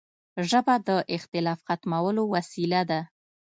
ژبه د اختلاف ختمولو وسیله ده